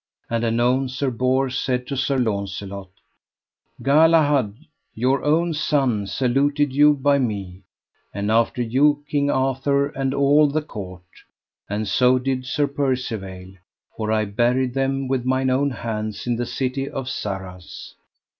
And anon Sir Bors said to Sir Launcelot: Galahad, your own son, saluted you by me, and after you King Arthur and all the court, and so did Sir Percivale, for I buried them with mine own hands in the city of Sarras.